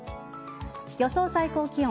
予想最高気温。